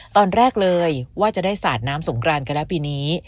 ตอนแรกเลยว่าจะได้สาดน้ำสงกรานกันแล้วปีนี้